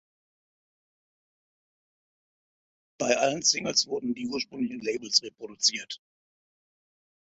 Bei allen Singles wurden die ursprünglichen Labels reproduziert.